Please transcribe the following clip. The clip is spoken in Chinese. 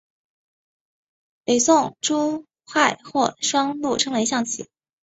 北宋朱彧将双陆称为象棋。